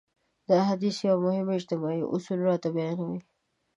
دا حديث يو مهم اجتماعي اصول راته بيانوي.